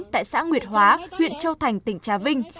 tại xã nguyệt hóa huyện châu thành tỉnh trà vinh